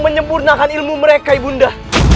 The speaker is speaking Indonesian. menyempurnakan ilmu mereka ibunda